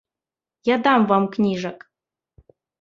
Я дам вам кніжак.